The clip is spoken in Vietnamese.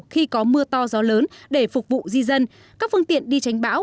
khi có mưa to gió lớn để phục vụ di dân các phương tiện đi tránh bão